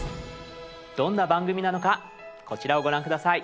どんな番組なのかこちらをご覧下さい。